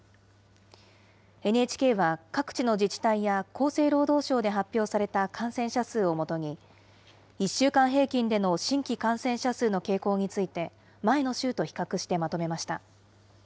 ＮＨＫは、各地の自治体や厚生労働省で発表された感染者数をもとに、１週間平均での新規感染者数の傾向について、前の週と比較してまとめました。